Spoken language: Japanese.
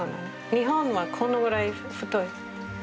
日本のはこのぐらい太い。